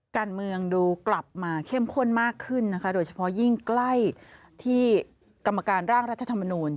การเมืองดูกลับมาเข้มข้นมากขึ้นนะคะโดยเฉพาะยิ่งใกล้ที่กรรมการร่างรัฐธรรมนูล